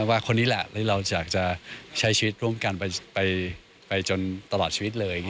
ว่าคนนี้แหละที่เราอยากจะใช้ชีวิตร่วมกันไปจนตลอดชีวิตเลย